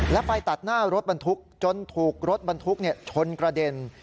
และไปตัดหน้ารถบรรทุกจนถูกรถบรรทุกชนกระเด็น